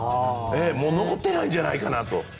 もう残ってないんじゃないかなと。